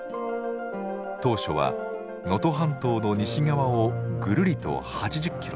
当初は能登半島の西側をぐるりと８０キロ